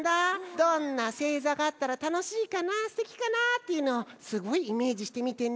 どんなせいざがあったらたのしいかなすてきかなっていうのをすごいイメージしてみてね。